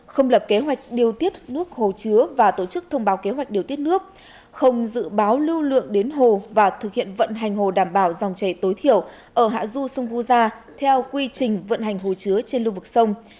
không lập kế hoạch điều tiết nước hồ chứa và tổ chức thông báo kế hoạch điều tiết nước không dự báo lưu lượng đến hồ và thực hiện vận hành hồ đảm bảo dòng chảy tối thiểu ở hạ du sông vu gia theo quy trình vận hành hồ chứa trên lưu vực sông